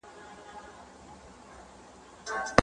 دلته د هر پوهنتون اصول له بل سره بشپړ بېل دي.